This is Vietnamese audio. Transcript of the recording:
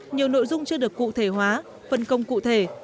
nhiều nội dung chưa được cụ thể hóa phân công cụ thể